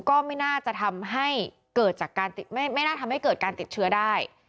ก็ไม่น่าจะทำให้เกิดจากการไม่น่าทำให้เกิดการติดเชื้อได้